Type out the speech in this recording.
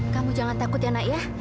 kamu jangan takut ya nak ya